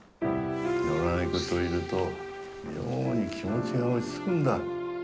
野良猫といると妙に気持ちが落ち着くんだ。